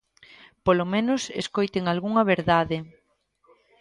Polo menos escoiten algunha verdade.